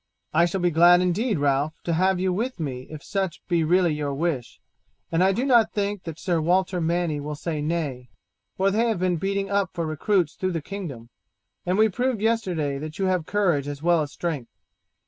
"I shall be glad indeed, Ralph, to have you with me if such be really your wish, and I do not think that Sir Walter Manny will say nay, for they have been beating up for recruits through the kingdom, and we proved yesterday that you have courage as well as strength.